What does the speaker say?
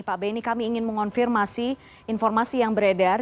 pak benny kami ingin mengonfirmasi informasi yang beredar